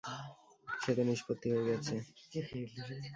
সে তো নিষ্পত্তি হয়ে গেছে।